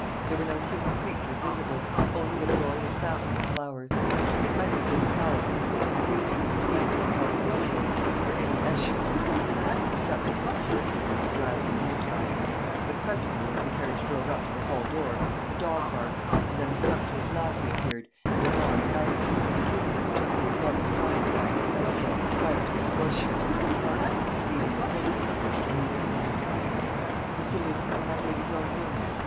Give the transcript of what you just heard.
There were no human creatures visible; only the glory of fountain and flowers. It might have been the palace of the Sleeping Beauty, deep in the heart of the woodlands, for any evidence to the contrary, perceptible to Clarissa in this drowsy noontide; but presently, as the carriage drove up to the hall door, a dog barked, and then a sumptuous lackey appeared, and anon another, who, between them, took Miss Lovel's travelling bag and parasol, prior to escorting her to some apartment, leaving the heavier luggage to meaner hands. "The saloon, or my lady's own room, miss?"